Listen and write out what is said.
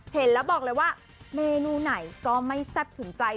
เห็นแล้วบอกเลยว่าเมนูไหนก็ไม่แซ่บถึงใจ